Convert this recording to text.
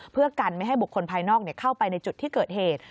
เพื่อกันไม่ให้บุคคลภายนอกเข้าไปในจุดที่เกิดเหตุ